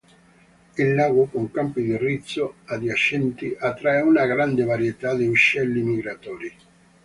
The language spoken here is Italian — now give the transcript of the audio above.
Il lago, con campi di riso adiacenti, attrae una grande varietà di uccelli migratori.